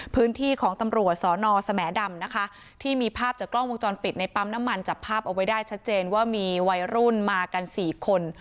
พื้นที่ของตำรวจสอนอสแหมดำนะคะที่มีภาพจากกล้องวงจรปิดในปั๊มน้ำมันจับภาพเอาไว้ได้ชัดเจนว่ามีวัยรุ่นมากันสี่คน